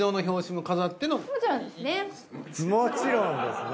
もちろんですね。